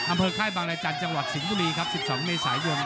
อำเภอค่ายบางรายจันทร์จังหวัดสิงห์บุรีครับ๑๒เมื่อสายเวียง